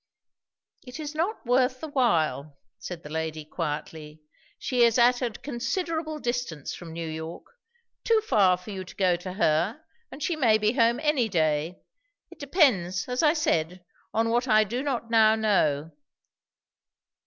"It is not worth the while," said the lady quietly. "She is at a considerable distance from New York, too far for you to go to her; and she may be home any day. It depends, as I said, on what I do not now know."